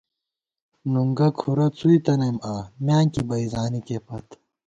نُنگُہ کُھرَہ څُوئی تنَئیم آں، میانکی بئ زانِکے پت